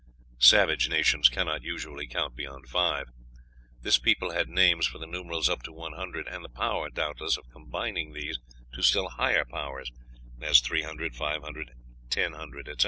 Savage nations cannot usually count beyond five. This people had names for the numerals up to one hundred, and the power, doubtless, of combining these to still higher powers, as three hundred, five hundred, ten hundred, etc.